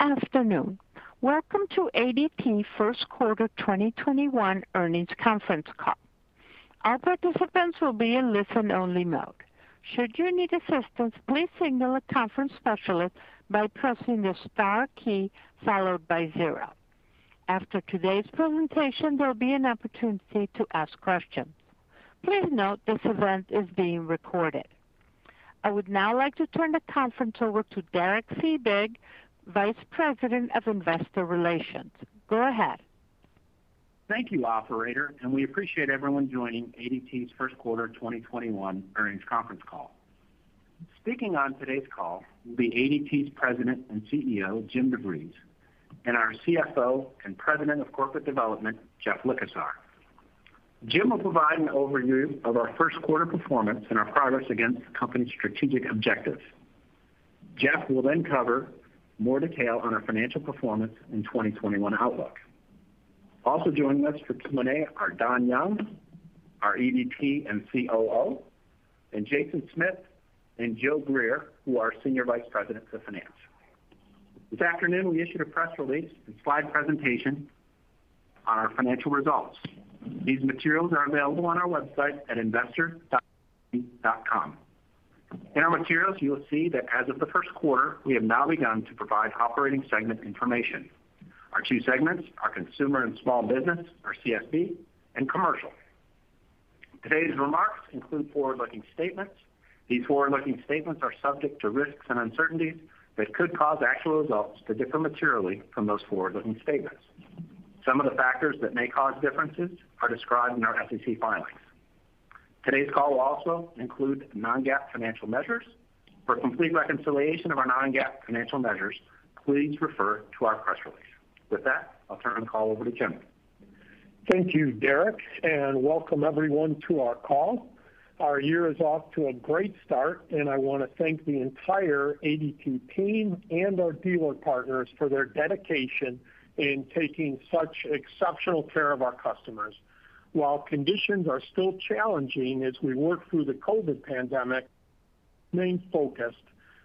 I would now like to turn the conference over to Derek Fiebig, Vice President of Investor Relations. Go ahead. Thank you, operator. We appreciate everyone joining ADT's first quarter 2021 earnings conference call. Speaking on today's call will be ADT's President and CEO, Jim DeVries, and our CFO and President of Corporate Development, Jeff Likosar. Jim will provide an overview of our first quarter performance and our progress against the company's strategic objectives. Jeff will cover more detail on our financial performance and 2021 outlook. Also joining us for Q&A are Don Young, our EVP and COO, and Jason Smith and Jill Greer, who are Senior Vice Presidents of Finance. This afternoon we issued a press release and slide presentation on our financial results. These materials are available on our website at investor.adt.com. In our materials, you will see that as of the first quarter, we have now begun to provide operating segment information. Our two segments are consumer and small business, or CSB, and commercial. Today's remarks include forward-looking statements. These forward-looking statements are subject to risks and uncertainties that could cause actual results to differ materially from those forward-looking statements. Some of the factors that may cause differences are described in our SEC filings. Today's call will also include non-GAAP financial measures. For complete reconciliation of our non-GAAP financial measures, please refer to our press release. With that, I'll turn the call over to Jim. Thank you, Derek, and welcome everyone to our call. Our year is off to a great start, and I want to thank the entire ADT team and our dealer partners for their dedication in taking such exceptional care of our customers. While conditions are still challenging as we work through the COVID pandemic, staying focused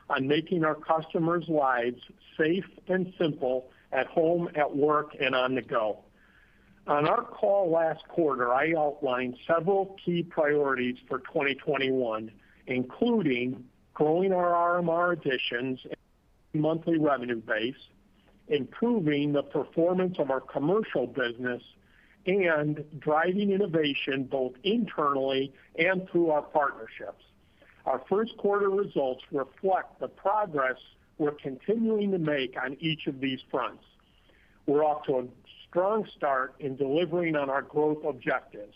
on making our customers' lives safe and simple at home, at work, and on the go. On our call last quarter, I outlined several key priorities for 2021, including growing our RMR additions monthly revenue base, improving the performance of our commercial business, and driving innovation both internally and through our partnerships. Our first quarter results reflect the progress we're continuing to make on each of these fronts. We're off to a strong start in delivering on our growth objectives.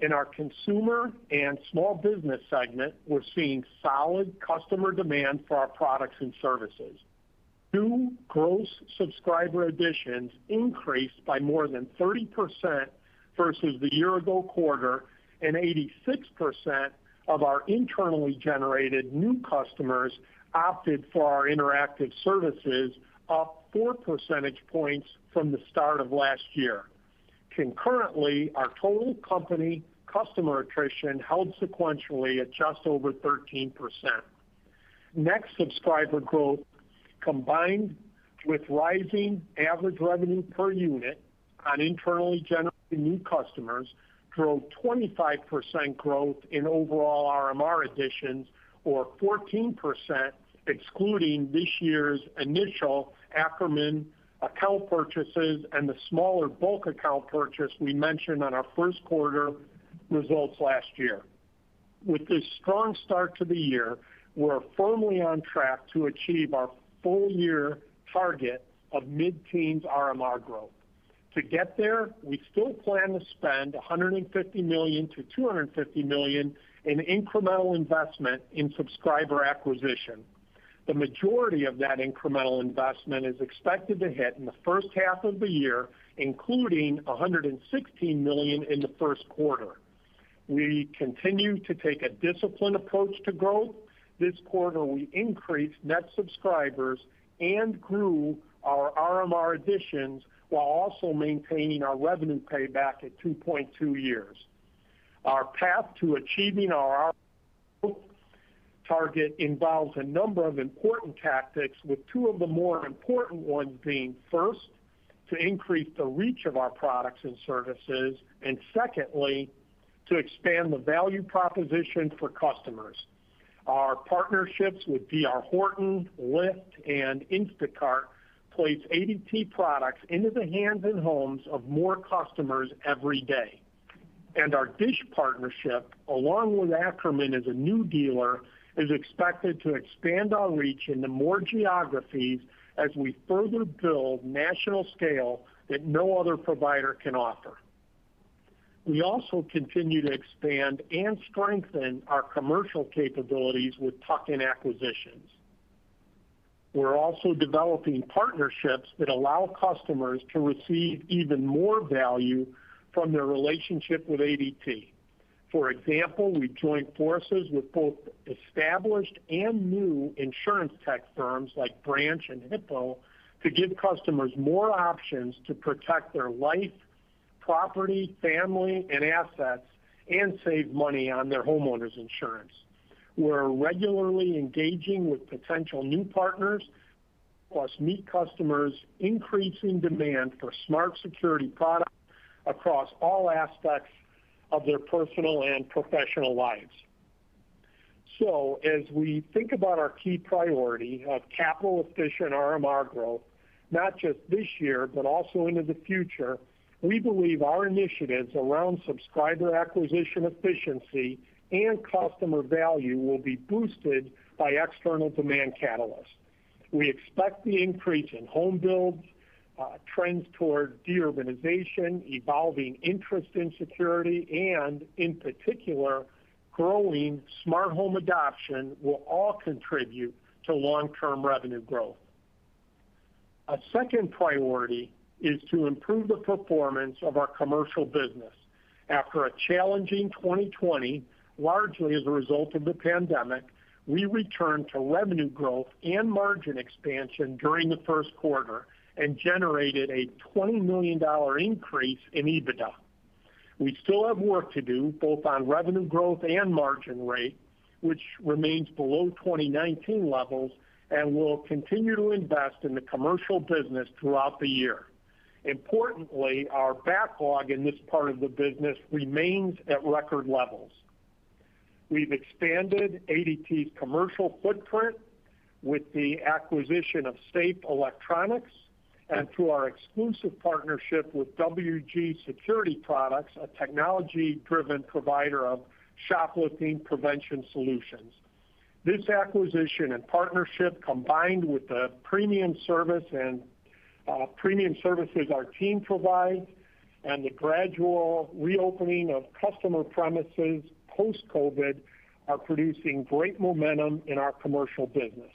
In our consumer and small business segment, we're seeing solid customer demand for our products and services. New gross subscriber additions increased by more than 30% versus the year ago quarter, and 86% of our internally generated new customers opted for our interactive services, up four percentage points from the start of last year. Concurrently, our total company customer attrition held sequentially at just over 13%. Net subscriber growth, combined with rising average revenue per unit on internally generated new customers, drove 25% growth in overall RMR additions or 14% excluding this year's initial Ackerman account purchases and the smaller bulk account purchase we mentioned on our first quarter results last year. With this strong start to the year, we're firmly on track to achieve our full year target of mid-teens RMR growth. To get there, we still plan to spend $150 million-$250 million in incremental investment in subscriber acquisition. The majority of that incremental investment is expected to hit in the first half of the year, including $116 million in the first quarter. We continue to take a disciplined approach to growth. This quarter, we increased net subscribers and grew our RMR additions while also maintaining our revenue payback at 2.2 years. Our path to achieving our RMR target involves a number of important tactics, with two of the more important ones being, first, to increase the reach of our products and services, and secondly, to expand the value proposition for customers. Our partnerships with D.R. Horton, Lyft, and Instacart place ADT products into the hands and homes of more customers every day. Our Dish partnership, along with Ackerman as a new dealer, is expected to expand our reach into more geographies as we further build national scale that no other provider can offer. We also continue to expand and strengthen our commercial capabilities with tuck-in acquisitions. We're also developing partnerships that allow customers to receive even more value from their relationship with ADT. For example, we've joined forces with both established and new insurance tech firms like Branch and Hippo to give customers more options to protect their life, property, family, and assets, and save money on their homeowners insurance. We're regularly engaging with potential new partners, plus meet customers' increasing demand for smart security products across all aspects of their personal and professional lives. As we think about our key priority of capital-efficient RMR growth, not just this year, but also into the future, we believe our initiatives around subscriber acquisition efficiency and customer value will be boosted by external demand catalysts. We expect the increase in home builds, trends towards de-urbanization, evolving interest in security, and, in particular, growing smart home adoption will all contribute to long-term revenue growth. A second priority is to improve the performance of our commercial business. After a challenging 2020, largely as a result of the pandemic, we returned to revenue growth and margin expansion during the first quarter and generated a $20 million increase in EBITDA. We still have work to do, both on revenue growth and margin rate, which remains below 2019 levels, and we'll continue to invest in the commercial business throughout the year. Importantly, our backlog in this part of the business remains at record levels. We've expanded ADT's commercial footprint with the acquisition of Safe Electronics and through our exclusive partnership with WG Security Products, a technology-driven provider of shoplifting prevention solutions. This acquisition and partnership, combined with the premium services our team provides and the gradual reopening of customer premises post-COVID, are producing great momentum in our commercial business.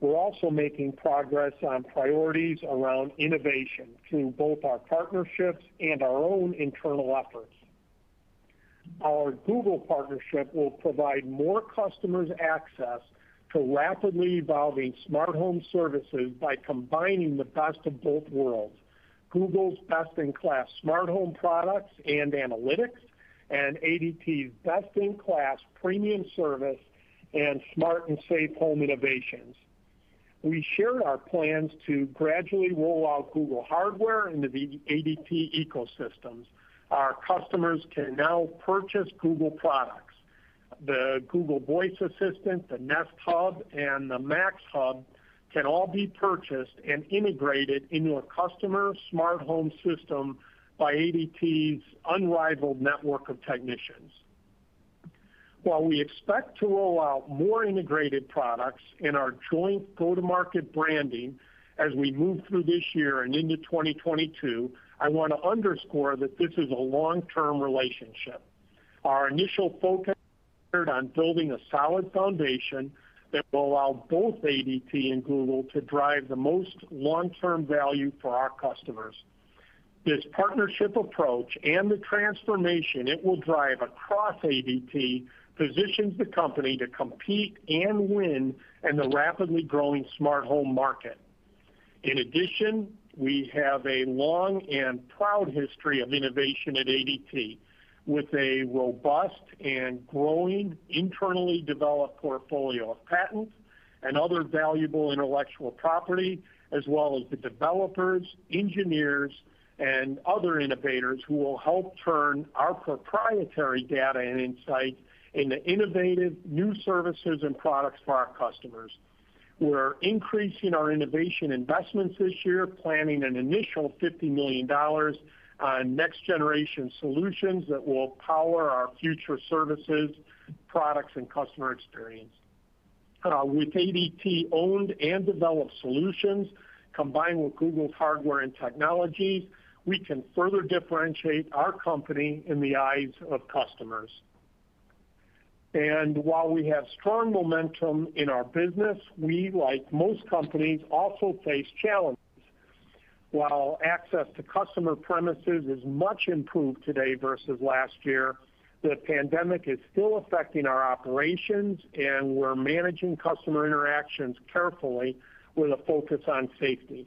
We're also making progress on priorities around innovation through both our partnerships and our own internal efforts. Our Google partnership will provide more customers access to rapidly evolving smart home services by combining the best of both worlds, Google's best-in-class smart home products and analytics, and ADT's best-in-class premium service and smart and safe home innovations. We shared our plans to gradually roll out Google hardware into the ADT ecosystems. Our customers can now purchase Google products. The Google Assistant, the Nest Hub, and the Nest Hub Max can all be purchased and integrated into a customer's smart home system by ADT's unrivaled network of technicians. While we expect to roll out more integrated products in our joint go-to-market branding as we move through this year and into 2022, I want to underscore that this is a long-term relationship. Our initial focus is on building a solid foundation that will allow both ADT and Google to drive the most long-term value for our customers. This partnership approach and the transformation it will drive across ADT positions the company to compete and win in the rapidly growing smart home market. In addition, we have a long and proud history of innovation at ADT, with a robust and growing internally developed portfolio of patents and other valuable intellectual property, as well as the developers, engineers, and other innovators who will help turn our proprietary data and insights into innovative new services and products for our customers. We're increasing our innovation investments this year, planning an initial $50 million on next-generation solutions that will power our future services, products, and customer experience. With ADT-owned and developed solutions, combined with Google's hardware and technologies, we can further differentiate our company in the eyes of customers. While we have strong momentum in our business, we, like most companies, also face challenges. While access to customer premises is much improved today versus last year, the pandemic is still affecting our operations, and we're managing customer interactions carefully with a focus on safety.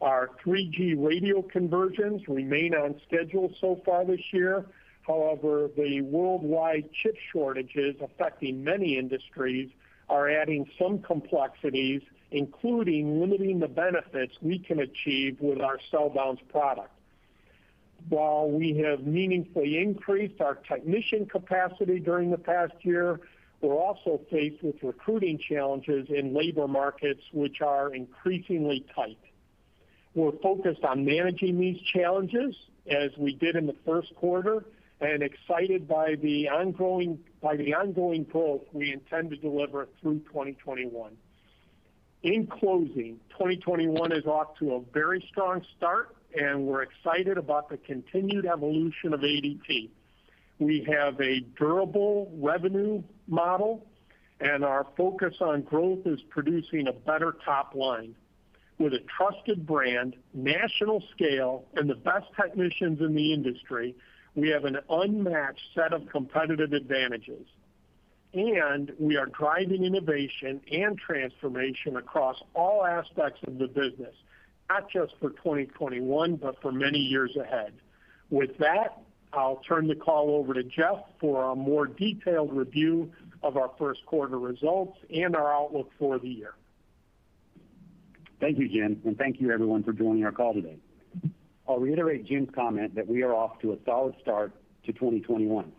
Our 3G radio conversions remain on schedule so far this year. However, the worldwide chip shortages affecting many industries are adding some complexities, including limiting the benefits we can achieve with our CellBounce product. While we have meaningfully increased our technician capacity during the past year, we're also faced with recruiting challenges in labor markets, which are increasingly tight. We're focused on managing these challenges as we did in the first quarter and excited by the ongoing growth we intend to deliver through 2021. In closing, 2021 is off to a very strong start, and we're excited about the continued evolution of ADT. We have a durable revenue model, and our focus on growth is producing a better top line. With a trusted brand, national scale, and the best technicians in the industry, we have an unmatched set of competitive advantages. We are driving innovation and transformation across all aspects of the business, not just for 2021, but for many years ahead. With that, I'll turn the call over to Jeff for a more detailed review of our first quarter results and our outlook for the year. Thank you, Jim, and thank you everyone for joining our call today. I'll reiterate Jim's comment that we are off to a solid start to 2021.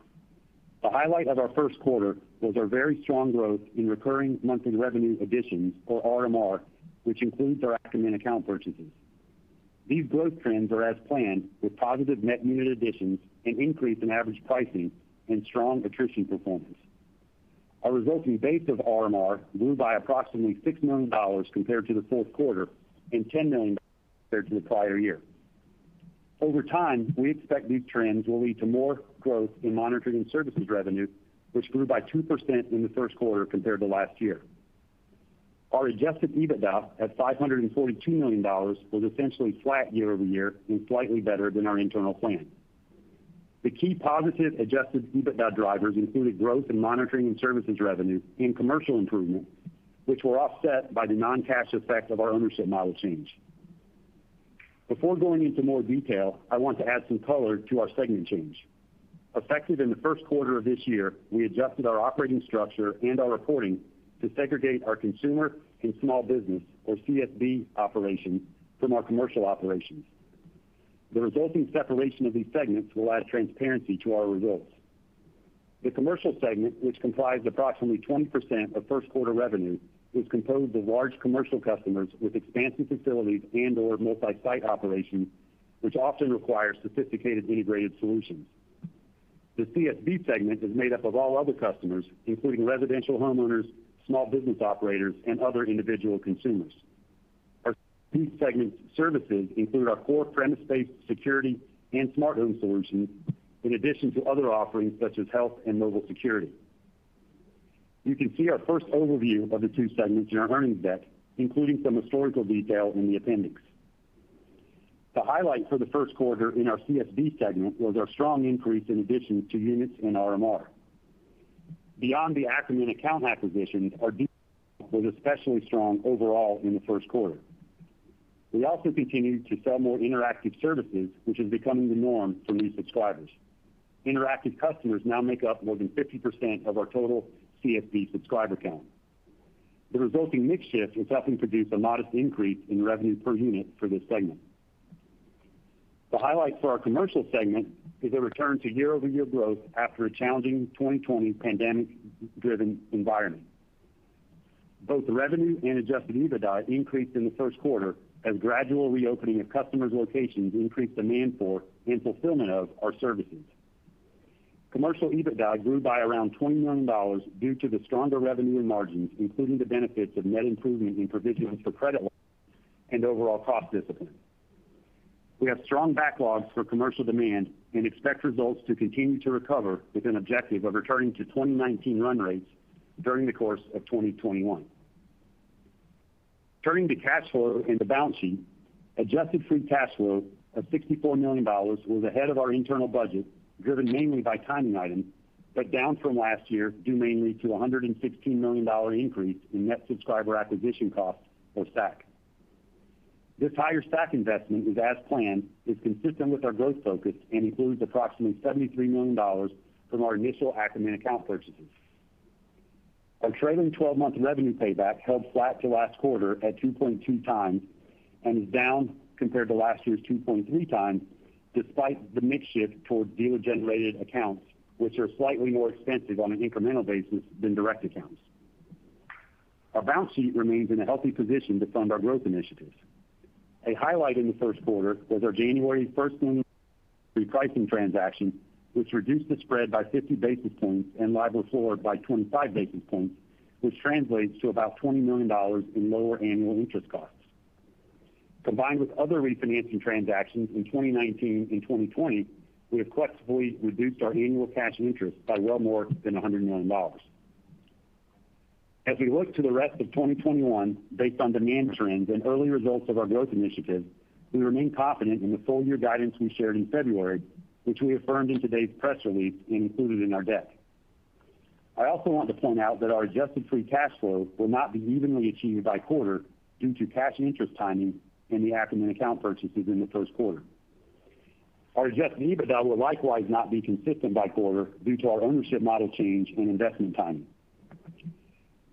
The highlight of our first quarter was our very strong growth in recurring monthly revenue additions, or RMR, which includes our Ackerman account purchases. These growth trends are as planned, with positive net unit additions, an increase in average pricing, and strong attrition performance. Our resulting base of RMR grew by approximately $6 million compared to the fourth quarter and $10 million compared to the prior year. Over time, we expect these trends will lead to more growth in monitoring services revenue, which grew by 2% in the first quarter compared to last year. Our adjusted EBITDA at $542 million was essentially flat year-over-year and slightly better than our internal plan. The key positive adjusted EBITDA drivers included growth in monitoring and services revenue and commercial improvement, which were offset by the non-cash effect of our ownership model change. Before going into more detail, I want to add some color to our segment change. Effective in the first quarter of this year, we adjusted our operating structure and our reporting to segregate our consumer and small business, or CSB operations, from our commercial operations. The resulting separation of these segments will add transparency to our results. The commercial segment, which comprises approximately 20% of first quarter revenue, is composed of large commercial customers with expansive facilities and/or multi-site operations, which often require sophisticated integrated solutions. The CSB segment is made up of all other customers, including residential homeowners, small business operators, and other individual consumers. These segment services include our core premise-based security and smart home solutions, in addition to other offerings such as health and mobile security. You can see our first overview of the two segments in our earnings deck, including some historical detail in the appendix. The highlight for the first quarter in our CSB segment was our strong increase in addition to units in RMR. Beyond the Ackerman account acquisitions, our D.R. Horton was especially strong overall in the first quarter. We also continued to sell more interactive services, which is becoming the norm for new subscribers. Interactive customers now make up more than 50% of our total CSB subscriber count. The resulting mix shift has helped produce a modest increase in revenue per unit for this segment. The highlight for our commercial segment is a return to year-over-year growth after a challenging 2020 pandemic-driven environment. Both revenue and adjusted EBITDA increased in the first quarter as gradual reopening of customers' locations increased demand for and fulfillment of our services. Commercial EBITDA grew by around $20 million due to the stronger revenue and margins, including the benefits of net improvements in provisions for credit loss and overall cost discipline. We have strong backlogs for commercial demand and expect results to continue to recover with an objective of returning to 2019 run rates during the course of 2021. Turning to cash flow and the balance sheet, adjusted free cash flow of $64 million was ahead of our internal budget, driven mainly by timing items, but down from last year, due mainly to $116 million increase in net subscriber acquisition costs, or SAC. This higher SAC investment is as planned, is consistent with our growth focus, and includes approximately $73 million from our initial Ackerman account purchases. Our trailing 12-month revenue payback held flat to last quarter at 2.2x and is down compared to last year's 2.3x, despite the mix shift towards dealer-generated accounts, which are slightly more expensive on an incremental basis than direct accounts. Our balance sheet remains in a healthy position to fund our growth initiatives. A highlight in the first quarter was our January 1st repricing transaction, which reduced the spread by 50 basis points and LIBOR floor by 25 basis points, which translates to about $20 million in lower annual interest costs. Combined with other refinancing transactions in 2019 and 2020, we have collectively reduced our annual cash interest by well more than $100 million. As we look to the rest of 2021 based on demand trends and early results of our growth initiatives, we remain confident in the full year guidance we shared in February, which we affirmed in today's press release and included in our deck. I also want to point out that our adjusted free cash flow will not be evenly achieved by quarter due to cash and interest timing and the Ackerman account purchases in the first quarter. Our adjusted EBITDA will likewise not be consistent by quarter due to our ownership model change and investment timing.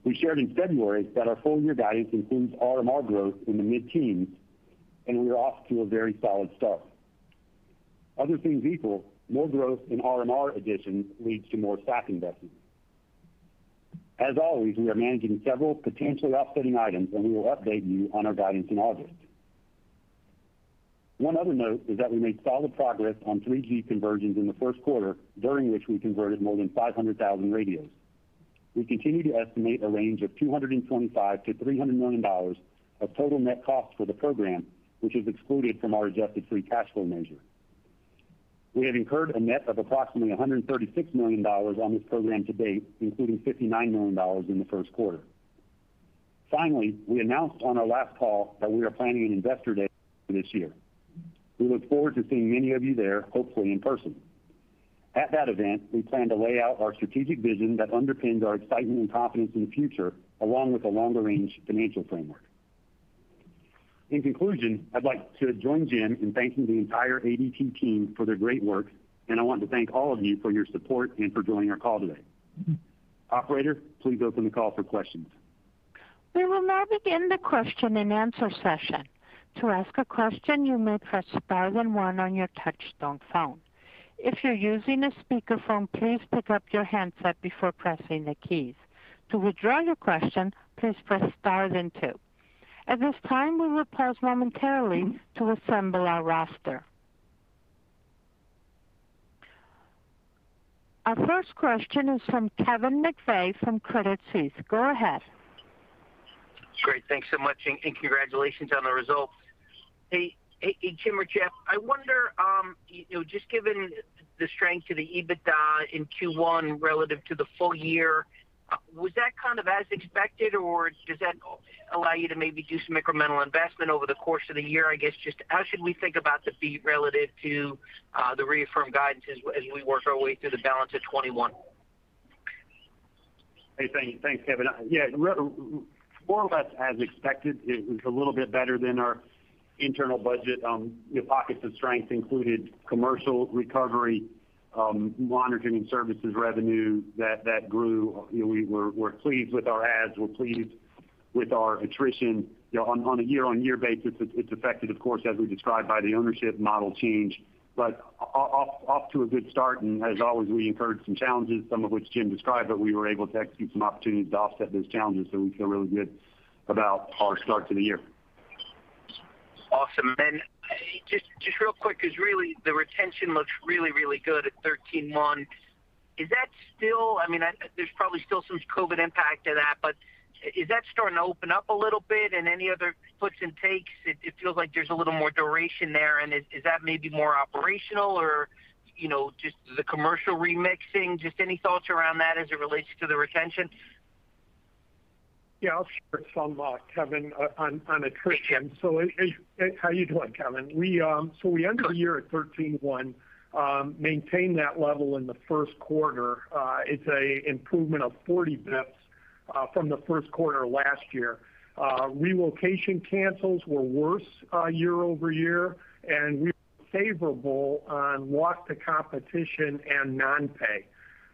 We shared in February that our full year guidance includes RMR growth in the mid-teens, and we are off to a very solid start. Other things equal, more growth in RMR additions leads to more SAC investments. As always, we are managing several potentially offsetting items, and we will update you on our guidance in August. One other note is that we made solid progress on 3G conversions in the first quarter, during which we converted more than 500,000 radios. We continue to estimate a range of $225 million-$300 million of total net cost for the program, which is excluded from our adjusted free cash flow measure. We have incurred a net of approximately $136 million on this program to date, including $59 million in the first quarter. We announced on our last call that we are planning an investor day for this year. We look forward to seeing many of you there, hopefully in person. At that event, we plan to lay out our strategic vision that underpins our excitement and confidence in the future, along with a longer-range financial framework. In conclusion, I'd like to join Jim in thanking the entire ADT team for their great work, and I want to thank all of you for your support and for joining our call today. Operator, please open the call for questions. We will now begin the question and answer session. To ask a question, you may press star then one on your touchtone phone. If you're using a speakerphone, please pick up your handset before pressing the keys. To withdraw your question, please press star then two. At this time, we will pause momentarily to assemble our roster. Our first question is from Kevin McVeigh from Credit Suisse. Go ahead. Great. Thanks so much, and congratulations on the results. Hey, Jim or Jeff, I wonder, just given the strength of the EBITDA in Q1 relative to the full year, was that kind of as expected, or does that allow you to maybe do some incremental investment over the course of the year? I guess, just how should we think about the beat relative to the reaffirmed guidance as we work our way through the balance of 2021? Hey, thanks, Kevin. Yeah. More or less as expected. It was a little bit better than our internal budget. Pockets of strength included commercial recovery, monitoring services revenue that grew. We're pleased with our adds. We're pleased with our attrition. On a year-on-year basis, it's affected, of course, as we described, by the ownership model change, but off to a good start, and as always, we incurred some challenges, some of which Jim described, but we were able to execute some opportunities to offset those challenges, so we feel really good about our start to the year. Just real quick, because really the retention looks really, really good at 13 months. There's probably still some COVID impact to that, but is that starting to open up a little bit, and any other puts and takes? It feels like there's a little more duration there, and is that maybe more operational or just the commercial remixing? Just any thoughts around that as it relates to the retention? Yeah, I'll share some, Kevin, on attrition. How you doing, Kevin? We end the year at 13.1, maintain that level in the first quarter. It's an improvement of 40 basis points from the first quarter last year. Relocation cancels were worse year-over-year, and we were favorable on loss to competition and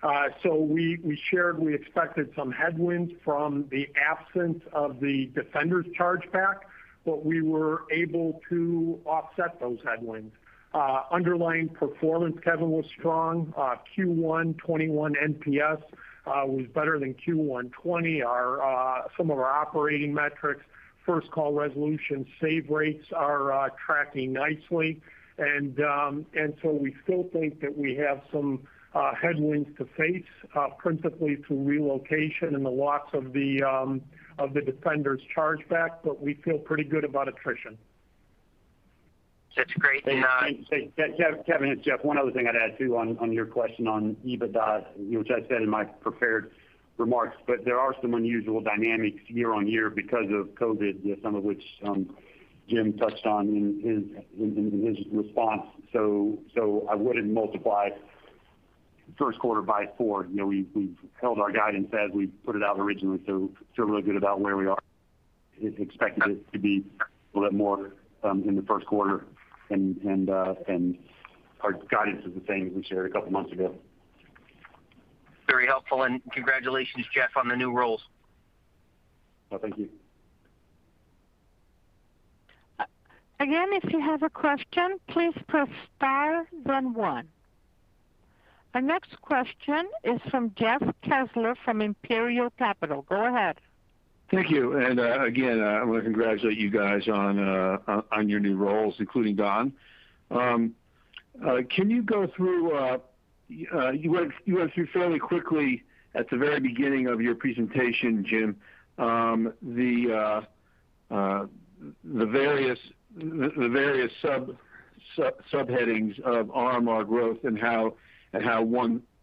non-pay. We shared we expected some headwinds from the absence of the Defenders charge-back, but we were able to offset those headwinds. Underlying performance, Kevin, was strong. Q1 2021 NPS was better than Q1 2020. Some of our operating metrics, first call resolution save rates are tracking nicely. We still think that we have some headwinds to face, principally through relocation and the loss of the Defenders charge-back, but we feel pretty good about attrition. That's great. Hey, Kevin, it's Jeff Likosar. One other thing I'd add, too, on your question on EBITDA, which I said in my prepared remarks, there are some unusual dynamics year-over-year because of COVID, some of which Jim touched on in his response. I wouldn't multiply first quarter by four. We've held our guidance as we put it out originally, feel really good about where we are. Expected it to be a little bit more in the first quarter, our guidance is the same as we shared a couple months ago. Very helpful, congratulations, Jeff, on the new roles. Well, thank you. Again, if you have a question, please press star then one. Our next question is from Jeff Kessler from Imperial Capital. Go ahead. Thank you, and again I want to congratulate you guys on your new roles, including Don. You went through fairly quickly at the very beginning of your presentation, Jim, the various subheadings of RMR growth and how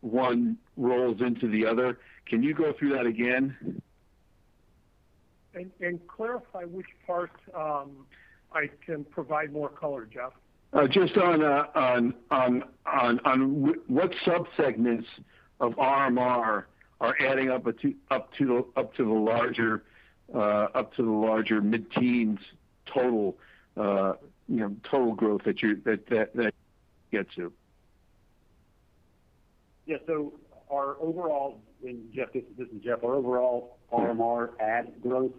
one rolls into the other. Can you go through that again? Clarify which part I can provide more color, Jeff. Just on what subsegments of RMR are adding up to the larger mid-teens total growth that you get to? Our overall, and Jeff, this is Jeff. Our overall RMR add growth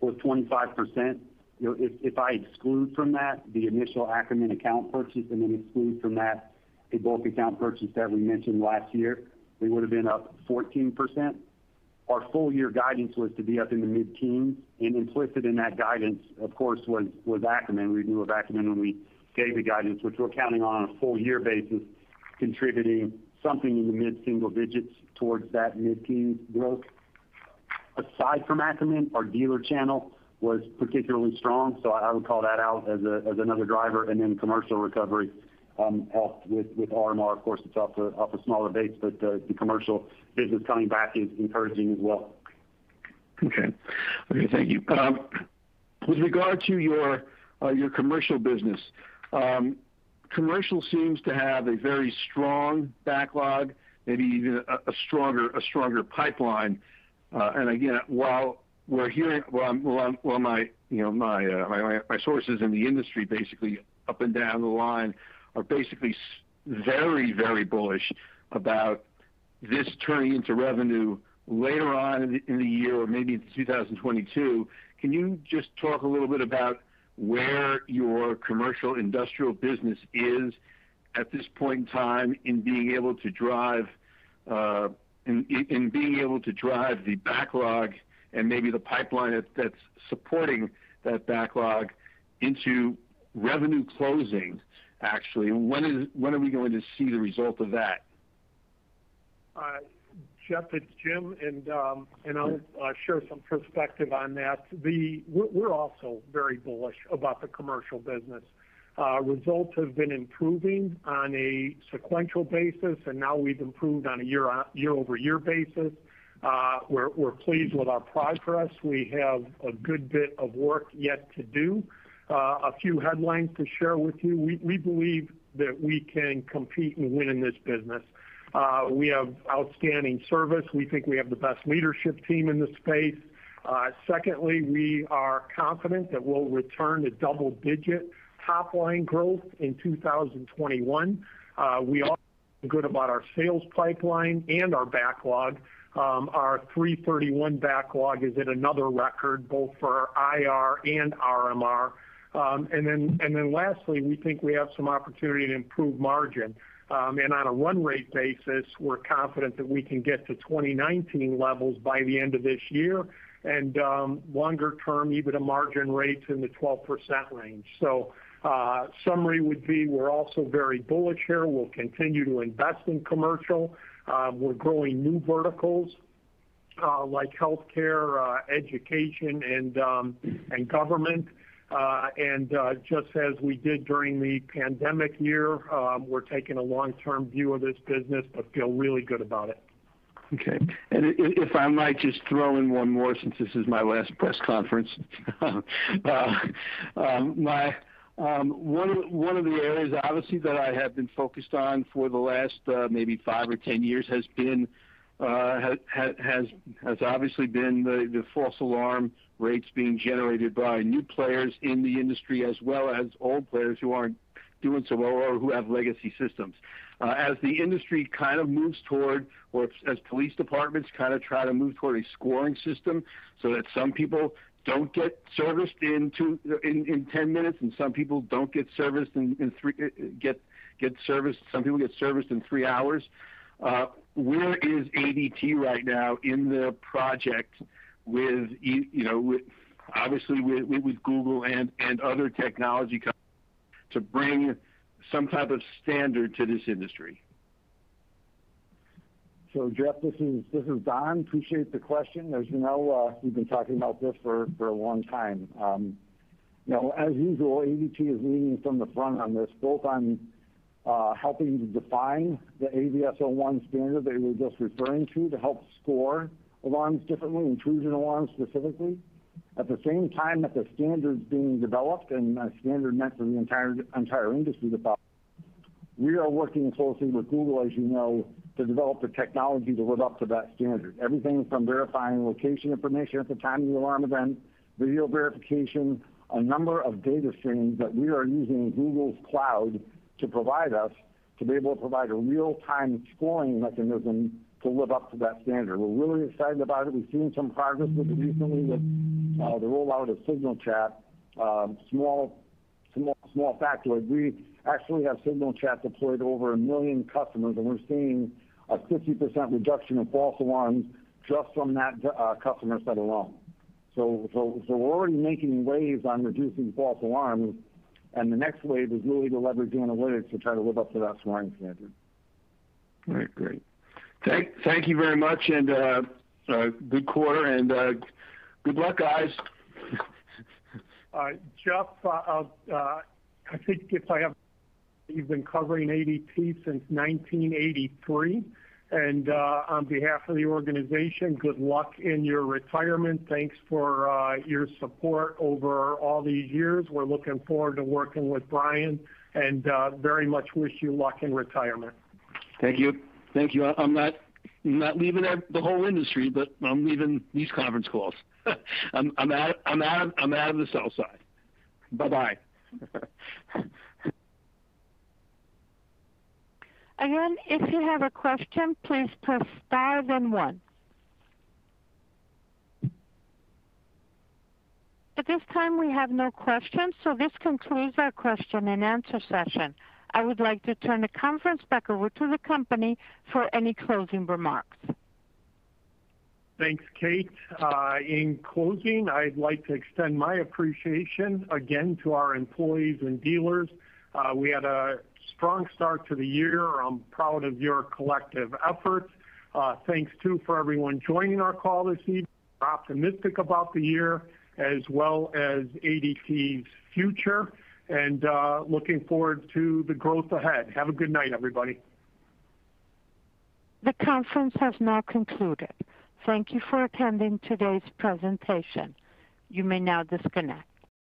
was 25%. If I exclude from that the initial Ackerman account purchase and then exclude from that the bulk account purchase that we mentioned last year, we would've been up 14%. Our full year guidance was to be up in the mid-teens, and implicit in that guidance, of course, was Ackerman. We knew of Ackerman when we gave the guidance, which we're counting on a full year basis, contributing something in the mid-single digits towards that mid-teens growth. Aside from Ackerman, our dealer channel was particularly strong. I would call that out as another driver. Commercial recovery helped with RMR. Of course, it's off a smaller base, the commercial business coming back is encouraging as well. Okay. Thank you. With regard to your commercial business, commercial seems to have a very strong backlog, maybe even a stronger pipeline. Again, while my sources in the industry, basically up and down the line, are basically very bullish about this turning into revenue later on in the year or maybe in 2022. Can you just talk a little bit about where your commercial industrial business is at this point in time in being able to drive the backlog and maybe the pipeline that's supporting that backlog into revenue closing, actually? When are we going to see the result of that? Jeff, it's Jim. I'll share some perspective on that. We're also very bullish about the commercial business. Results have been improving on a sequential basis, and now we've improved on a year-over-year basis. We're pleased with our progress. We have a good bit of work yet to do. A few headlines to share with you. We believe that we can compete and win in this business. We have outstanding service. We think we have the best leadership team in this space. Secondly, we are confident that we'll return to double-digit top-line growth in 2021. We are good about our sales pipeline and our backlog. Our 3/31 backlog is at another record, both for IR and RMR. Lastly, we think we have some opportunity to improve margin. On a run rate basis, we're confident that we can get to 2019 levels by the end of this year. Longer term, even a margin rate in the 12% range. Summary would be, we're also very bullish here. We'll continue to invest in Commercial. We're growing new verticals like healthcare, education, and government. Just as we did during the pandemic year, we're taking a long-term view of this business, but feel really good about it. Okay. If I might just throw in one more since this is my last press conference. One of the areas obviously that I have been focused on for the last maybe five or 10 years has obviously been the false alarm rates being generated by new players in the industry, as well as old players who aren't doing so well or who have legacy systems. As the industry kind of moves toward, or as police departments kind of try to move toward a scoring system so that some people don't get serviced in 10 minutes and some people get serviced in three hours, where is ADT right now in the project with obviously with Google and other technology companies to bring some type of standard to this industry? Jeff, this is Don. Appreciate the question. As you know, we've been talking about this for a long time. As usual, ADT is leading from the front on this, both on helping to define the ASAP-to-PSAP standard that you were just referring to help score alarms differently, intrusion alarms specifically. At the same time that the standard is being developed, and a standard meant for the entire industry, we are working closely with Google, as you know, to develop the technology to live up to that standard. Everything from verifying location information at the time of the alarm event, video verification, a number of data streams that we are using Google Cloud to provide us, to be able to provide a real-time scoring mechanism to live up to that standard. We're really excited about it. We've seen some progress with it recently with the rollout of Signal Chat. Small factoid. We actually have Signal Chat deployed to over a million customers, and we're seeing a 50% reduction of false alarms just from that customer set alone. We're already making waves on reducing false alarms, and the next wave is really to leverage analytics to try to live up to that scoring standard. All right, great. Thank you very much, and good quarter, and good luck, guys. Jeff, I think you've been covering ADT since 1983, and on behalf of the organization, good luck in your retirement. Thanks for your support over all these years. We're looking forward to working with Jim Boyce and very much wish you luck in retirement. Thank you. I'm not leaving the whole industry, but I'm leaving these conference calls. I'm out of the sell side. Bye. If you have a question, please press star then one. At this time, we have no questions, so this concludes our question and answer session. I would like to turn the conference back over to the company for any closing remarks. Thanks, Kate. In closing, I'd like to extend my appreciation again to our employees and dealers. We had a strong start to the year. I'm proud of your collective efforts. Thanks too for everyone joining our call this evening. We're optimistic about the year as well as ADT's future and looking forward to the growth ahead. Have a good night, everybody. The conference has now concluded. Thank you for attending today's presentation. You may now disconnect.